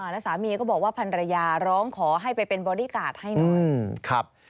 แล้วสามีก็บอกว่าพันรยาร้องขอให้ไปเป็นบอดี้การ์ดให้หน่อย